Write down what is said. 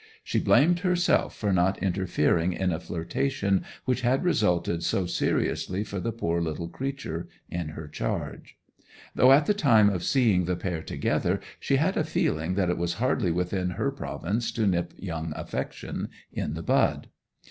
She blamed herself for not interfering in a flirtation which had resulted so seriously for the poor little creature in her charge; though at the time of seeing the pair together she had a feeling that it was hardly within her province to nip young affection in the bud.